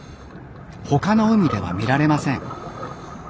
他の海では見られません。